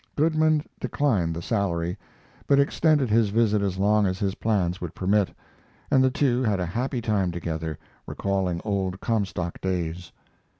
Goodman declined the salary, but extended his visit as long as his plans would permit, and the two had a happy time together, recalling old Comstock days.